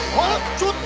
ちょっと！